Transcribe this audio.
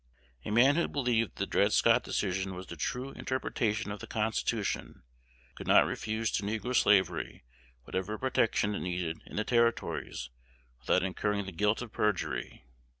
A man who believed that the Dred Scott Decision was the true interpretation of the Constitution could not refuse to negro slavery whatever protection it needed in the Territories without incurring the guilt of perjury.